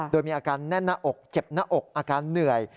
โดยมีอาการแน่นหน้าอกเจ็บหน้าอกอาการเหนื่อย